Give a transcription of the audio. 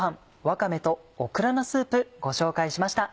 「わかめとオクラのスープ」ご紹介しました。